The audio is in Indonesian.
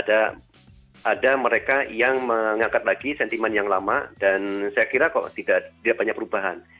ada mereka yang mengangkat lagi sentimen yang lama dan saya kira kok tidak banyak perubahan